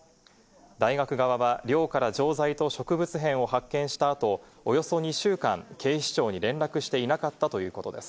大学側は寮から錠剤と植物片を発見した後、およそ２週間、警視庁に連絡していなかったということです。